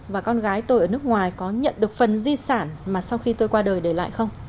và con gái tôi ở nước ngoài có nhận được phần di sản mà sau khi tôi qua đời để lại không